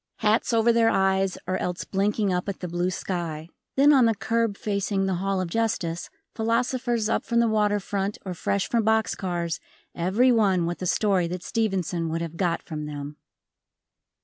Hats over their eyes or else blinking up at the blue sky. Then on the curb facing the Hall of Justice, philosophers up from the water front or fresh from box cars, everyone with a story that Stevenson would have got from them.